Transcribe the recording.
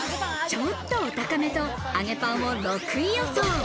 ちょっと、お高めと揚げパンを６位予想。